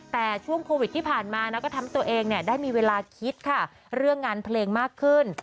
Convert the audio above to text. แต่ช่วงโควิดที่ผ่านมาก็ทำตัวเองได้มีเวลาคิดค่ะเรื่องงานเพลงมากขึ้น